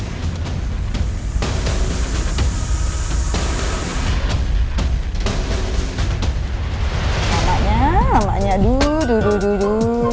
namanya namanya du du du du du